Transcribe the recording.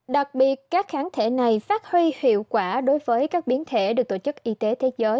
đặc biệt các kháng thể này phát huy hiệu quả đối với các biến thể được tổ chức y tế thế giới who đưa vào danh sách đáng quan ngại voc